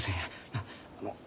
なっあの。